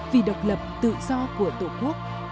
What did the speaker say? vì độc lập tự do của tổ quốc